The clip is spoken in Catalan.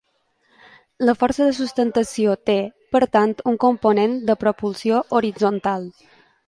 La força de sustentació té, per tant, un component de propulsió horitzontal.